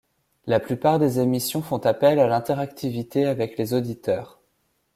La plupart des émissions font appel à l'interactivité avec les auditeurs.